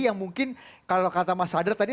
yang mungkin kalau kata mas hadar tadi